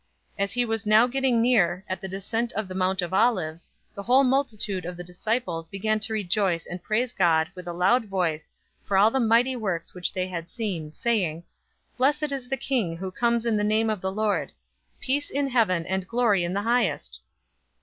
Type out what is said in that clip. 019:037 As he was now getting near, at the descent of the Mount of Olives, the whole multitude of the disciples began to rejoice and praise God with a loud voice for all the mighty works which they had seen, 019:038 saying, "Blessed is the King who comes in the name of the Lord!{Psalm 118:26} Peace in heaven, and glory in the highest!"